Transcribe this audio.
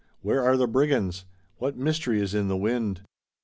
Where are the Brigands? What mystery is in the wind?